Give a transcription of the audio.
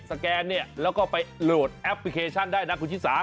สแกนและก็ไปลดแอปพลิเคชันได้นะครับคุณชิ้นสา